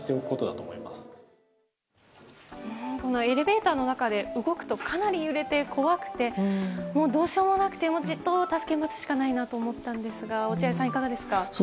エレベーターの中で動くとかなり揺れて怖くてどうしようもなくてじっと助けを待つしかないなと思ったんですが落合さん、いかがですか？